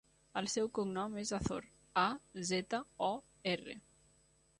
El seu cognom és Azor: a, zeta, o, erra.